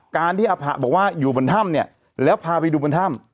การที่อภะบอกว่าอยู่บนถ้ำเนี่ยแล้วพาไปดูบนถ้ำ